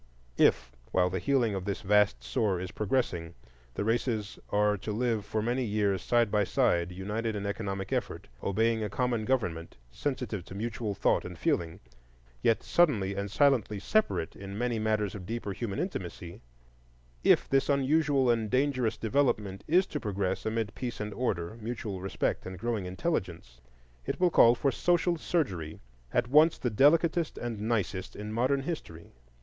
If, while the healing of this vast sore is progressing, the races are to live for many years side by side, united in economic effort, obeying a common government, sensitive to mutual thought and feeling, yet subtly and silently separate in many matters of deeper human intimacy,—if this unusual and dangerous development is to progress amid peace and order, mutual respect and growing intelligence, it will call for social surgery at once the delicatest and nicest in modern history.